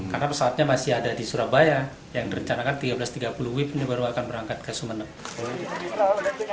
karena pesawatnya masih ada di surabaya yang direncanakan tiga belas tiga puluh wib ini baru akan berangkat ke sumeneb